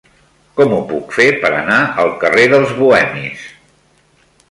Com ho puc fer per anar al carrer dels Bohemis?